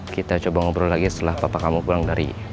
kita coba ngobrol lagi setelah papa kamu pulang dari